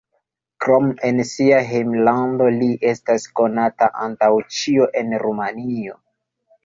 Krom en sia hejmlando li estas konata antaŭ ĉio en Rumanio.